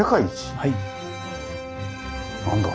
はい。